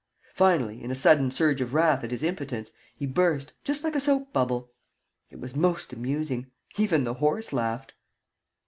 Finally, in a sudden surge of wrath at his impotence, he burst, just like a soap bubble. It was most amusing. Even the horse laughed."